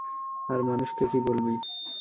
আর মানুষকে কী বলবি?